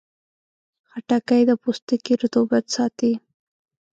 خټکی د پوستکي رطوبت ساتي.